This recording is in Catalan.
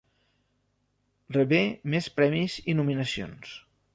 Rebé més premis i nominacions.